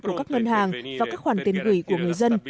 của các ngân hàng và các khoản tiền gửi của người dân